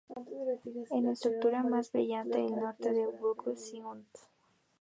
Es la estructura más brillante del norte del Bucle de Cygnus.